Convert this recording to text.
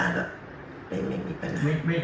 ก็ไม่มีปัญหา